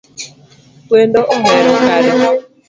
Wendo ohero kado